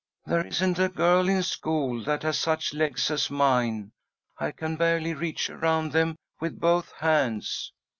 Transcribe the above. There isn't a girl in school that has such legs as mine. I can barely reach around them with both hands."